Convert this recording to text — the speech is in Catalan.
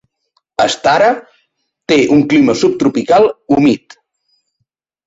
Astara té un clima subtropical humit.